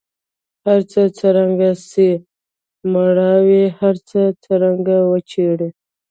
هرڅه څرنګه سي مړاوي هر څه څرنګه وچیږي